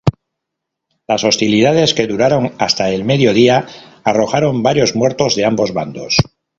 Las hostilidades, que duraron hasta el medio día, arrojaron varios muertos de ambos bandos.